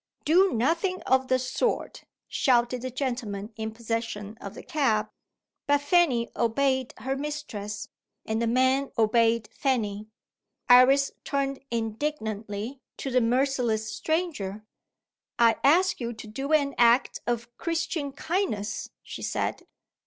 "Do nothing of the sort!" shouted the gentleman in possession of the cab. But Fanny obeyed her mistress; and the men obeyed Fanny. Iris turned indignantly to the merciless stranger. "I ask you to do an act of Christian kindness," she said.